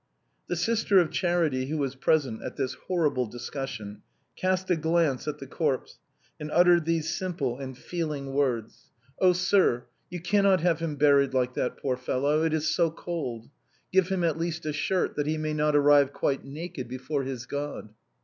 The sister of charity, who was present at this horrible discussion, cast a glance at the corpse, and uttered these simple and feeling words :" Oh ! sir, you cannot have him buried like that, poor fellow, it is so cold. Give him at least a shirt, that he may not arrive quite naked before his God."